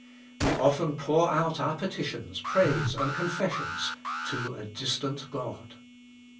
We often pour out our petitions, praise and confessions to a distant God.